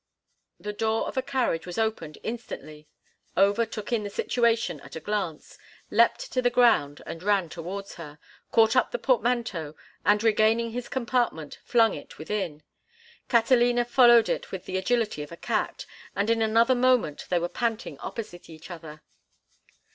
The door of a carriage was opened instantly. Over took in the situation at a glance, leaped to the ground and ran towards her, caught up the portmanteau, and, regaining his compartment, flung it within. Catalina followed it with the agility of a cat, and in another moment they were panting opposite each other.